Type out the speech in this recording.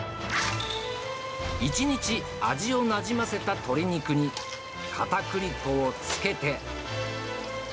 一日味をなじませた鶏肉にかたくり粉をつけて。